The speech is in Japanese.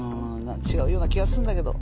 違うような気がするんだけど。